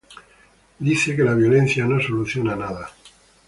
Él dice que la violencia no soluciona nada.